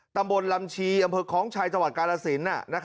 ตำบลรำชีอำเภอของชายจวัดกรรสิน